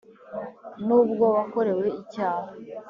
n ubw uwakorewe icyaha